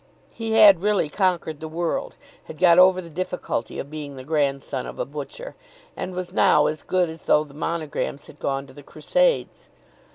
He had really conquered the world, had got over the difficulty of being the grandson of a butcher, and was now as good as though the Monograms had gone to the crusades.